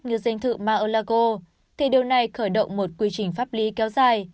như danh thự mar a lago thì điều này khởi động một quy trình pháp lý kéo dài